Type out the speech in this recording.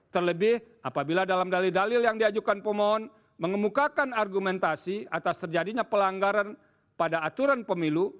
terlebih apabila dalam dalil dalil yang diajukan pemohon mengemukakan argumentasi atas terjadinya pelanggaran pada aturan pemilu